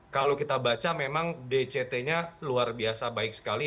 kalau kita baca memang dct nya luar biasa baik sekali